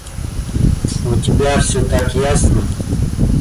У тебя всё так ясно.